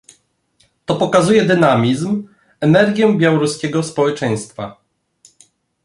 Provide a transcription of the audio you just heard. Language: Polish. To pokazuje dynamizm, energię białoruskiego społeczeństwa